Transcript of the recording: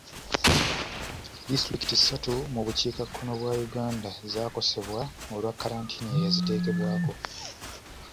Disitulikiti ssatu mu bukiikakkono bwa Uganda zaakosebwa olwa kalantiini eyaziteekebwako.